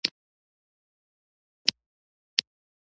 د نومولو استازو نومليک وپايلل شو.